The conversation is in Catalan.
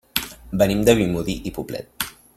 Venim de Vimbodí i Poblet.